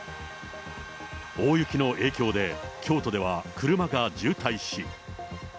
大雪の影響で、京都では車が渋滞し。